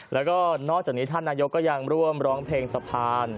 แล้วก็นอกจากนี้ท่านนายกก็ยังร่วมร้องเพลงสะพาน